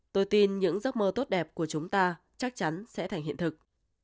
tôi tin những giấc mơ tốt đẹp của chúng ta chắc chắn sẽ thành hiện thực